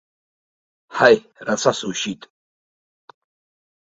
Ҳаи, рацәа сушьит!